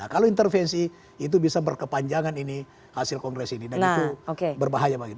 kalau intervensi itu bisa berkepanjangan ini hasil kongres ini dan itu berbahaya bagi kita